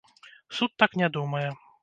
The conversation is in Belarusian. Суд так не думае.